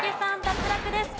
脱落です。